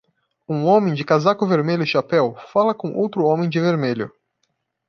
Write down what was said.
Um homem de casaco vermelho e chapéu fala com outro homem de vermelho.